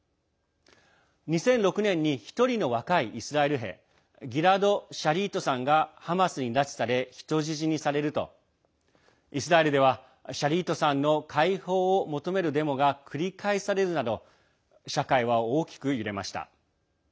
２００６年に１人の若いイスラエル兵ギラド・シャリートさんがハマスに拉致され人質にされるとイスラエルではシャリートさんの解放を求めるデモが繰り返されるなど社会は大きく揺れました。